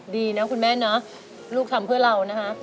ดีนะคุณแม่เนอะลูกทำเพื่อเรานะคะ